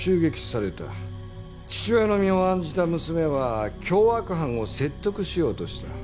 父親の身を案じた娘は凶悪犯を説得しようとした。